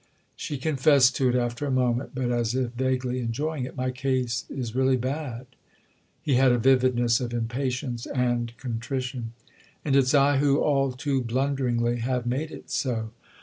She confessed to it after a moment, but as if vaguely enjoying it. "My case is really bad." He had a vividness of impatience and contrition. 197 "And it's I who—all too blunderingly!—have made it so?"